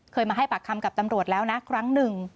เคยมาให้ปากคำกับตำรวจแล้วนะครั้งหนึ่ง